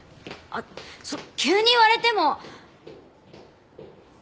あっ急に言われても！